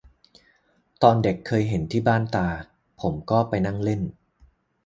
ตอนเด็กเคยเห็นที่บ้านตา ผมก็ไปนั่งเล่น